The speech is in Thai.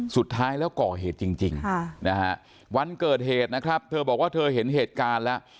สุดท้ายแล้วก่อเหตุจริงนะฮะวันเกิดเหตุนะครับเธอบอกว่าเธอเห็นเหตุการณ์แล้ว